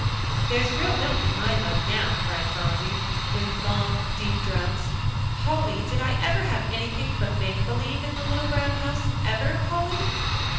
"There's real milk in my mug now," cried Phronsie, with long, deep draughts. "Polly, did I ever have anything but make believe in the little brown house; ever, Polly?"